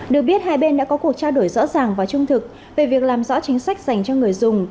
được biết hai bên đã có cuộc trao đổi rõ ràng và trung thực về việc làm rõ chính sách dành cho người dùng